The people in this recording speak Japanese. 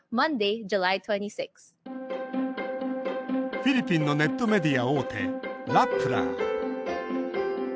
フィリピンのネットメディア大手ＲＡＰＰＬＥＲ。